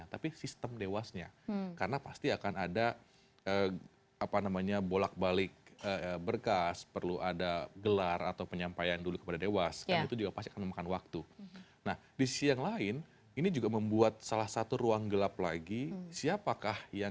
tidak dilakukan ada penolakan